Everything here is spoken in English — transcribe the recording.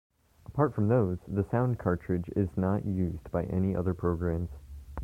Apart from those the Sound Cartridge is not used by any other programs.